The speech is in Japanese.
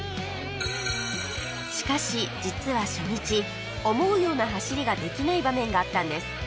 しかし実は初日思うような走りができない場面があったんです